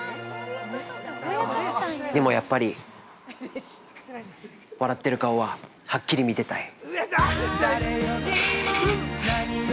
でもやっぱり、笑ってる顔ははっきり見てたい。